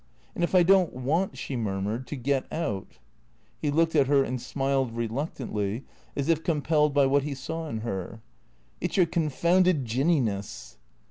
" And if I don't want," she murmured, " to get out ?" He looked at her and smiled, reluctantly, as if compelled by what he saw in her. " It 's your confounded Jinniness